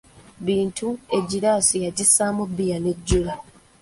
Bittu egiraasi yagissamu bbiya n'ejjula.